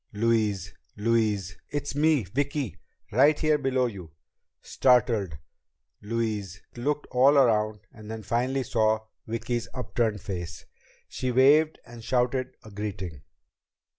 "Louise! Louise! It's me! Vicki! Right here below you!" Startled, Louise looked all around and then finally saw Vicki's upturned face. She waved and shouted a greeting.